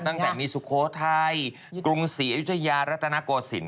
ตั้งแต่มีสุโขทัยกรุงศรีอยุธยารัตนโกศิลป